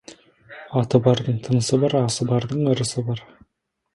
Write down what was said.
Аты бардың тынысы бар, асы бардың ырысы бар.